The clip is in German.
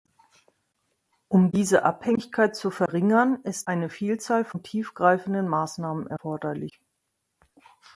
Um diese Abhängigkeit zu verringern, ist eine Vielzahl von tief greifenden Maßnahmen erforderlich.